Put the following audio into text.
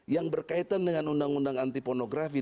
yang berkaitan dengan undang undang anti pornografi